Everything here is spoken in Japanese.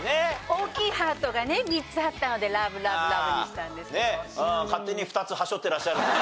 大きいハートがね３つあったので「ラブラブラブ」にしたんですけど。